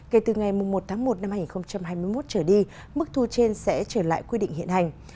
kể từ ngày một tháng một năm hai nghìn hai mươi một trở đi mức thu trên sẽ trở lại quy định hiện hành